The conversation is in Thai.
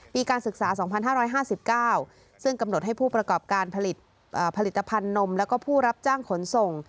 การศึกษา๒๕๕๙ซึ่งกำหนดให้ผู้ประกอบการผลิตภัณฑ์นมแล้วก็ผู้รับจ้างขนส่ง